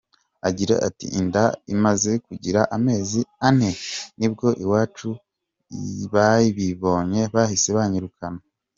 Agira ati “Inda imaze kugira amezi ane ni bwo iwacu bayibonye, bahise banyirukana.